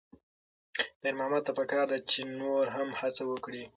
خیر محمد ته پکار ده چې نور هم هڅه وکړي.